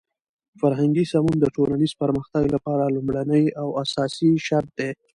فرهنګي سمون د ټولنیز پرمختګ لپاره لومړنی او اساسی شرط دی.